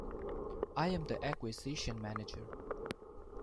I'm the acquisition manager.